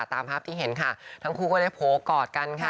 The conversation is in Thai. ตามภาพที่เห็นค่ะทั้งคู่ก็ได้โผล่กอดกันค่ะ